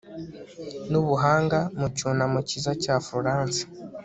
nubuhanga, mu cyunamo cyiza cya florence